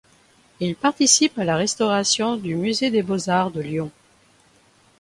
Il participe à la restauration du Musée des beaux-arts de Lyon.